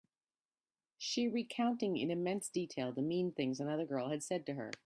She recounting in immense detail the mean things another girl had said to her.